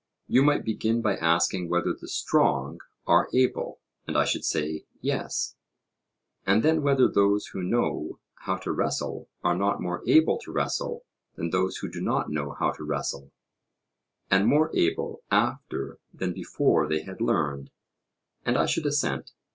You might begin by asking whether the strong are able, and I should say 'Yes'; and then whether those who know how to wrestle are not more able to wrestle than those who do not know how to wrestle, and more able after than before they had learned, and I should assent.